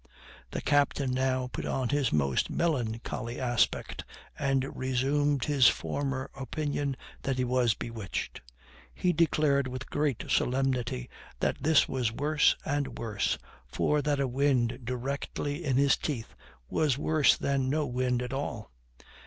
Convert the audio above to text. The captain now put on his most melancholy aspect, and resumed his former opinion that he was bewitched. He declared with great solemnity that this was worse and worse, for that a wind directly in his teeth was worse than no wind at all.